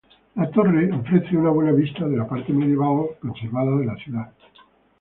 La torre ofrece una buena vista de la parte medieval conservada de la ciudad.